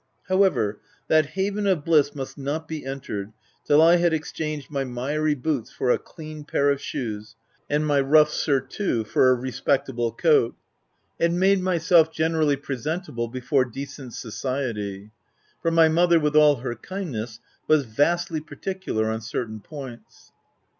However, that haven of bliss must not be entered till I had exchanged my miry boots, for a clean pair of shoes, and my rough surtout for a respectable coat, and made myself gene rally presentable before decent society ; for my mother, with all her kindness, was vastly par ticular on certain points.